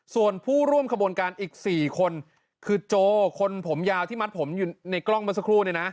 ส่วนผู้ร่วมขบวนการอีก๔คนคือโจคนผมยาวที่มัดผมอยู่ในกล้องเมื่อสักครู่เนี่ยนะ